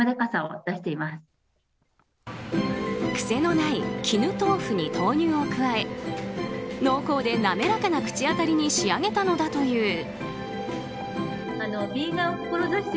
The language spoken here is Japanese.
癖のない絹豆腐に豆乳を加え濃厚で滑らかな口当たりに仕上げたのだという。